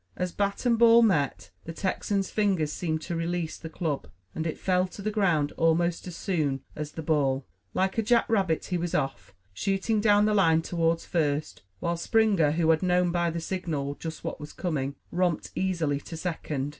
As bat and ball met, the Texan's fingers seemed to release the club, and it fell to the ground almost as soon as the ball. Like a jack rabbit he was off, shooting down the line toward first, while Springer, who had known by the signal just what was coming, romped easily to second.